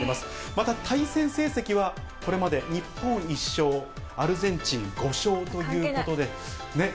また対戦成績はこれまで日本１勝、アルゼンチン５勝ということで。